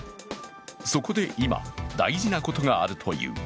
そこで今、大事なことがあるという。